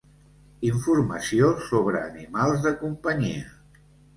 Informació sobre animals de companyia.